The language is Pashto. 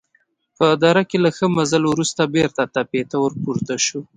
په دره کې له ښه مزل وروسته بېرته تپې ته ورپورته شوو.